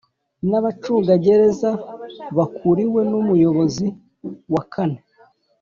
n abacungagereza bakuriwe n Umuyobozi wa kane